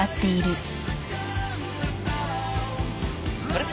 あれ？